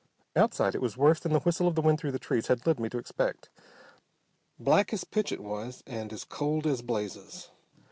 Outside it was worse than the whistle of the wind through the trees had led me to expect. Black as pitch it was, and as cold as blazes.